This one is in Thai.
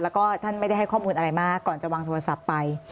แล้วก็ท่านไม่ได้ให้ข้อมูลอะไรมากก่อนจะวางโทรศัพท์ไป